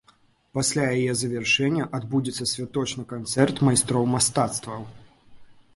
Пасля яе завяршэння адбудзецца святочны канцэрт майстроў мастацтваў.